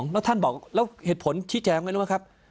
แล้วท่านบอกเหตุผลชี้แจ้วไงครับ